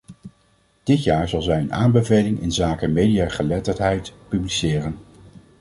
Dit jaar zal zij een aanbeveling inzake mediageletterdheid publiceren.